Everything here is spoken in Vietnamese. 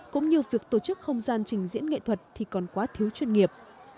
cũng như việc tổ chức không gian trình diễn nghệ thuật thì còn quá thiếu chuyên nghiệp